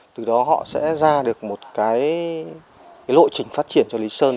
từ đó họ sẽ ra được một cái lộ trình phát triển cho lý sơn